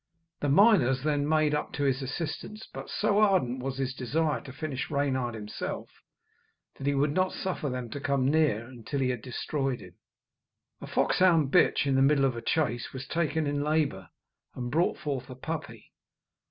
The miners then made up to his assistance; but so ardent was his desire to finish Reynard himself, that he would not suffer them to come near till he had destroyed him. A foxhound bitch, in the middle of a chase, was taken in labour, and brought forth a puppy.